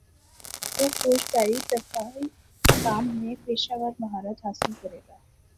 وہ فوجداری دفاعی کام میں پیشہور مہارت حاصل کرے گا